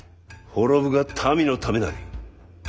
滅ぶが民のためなり。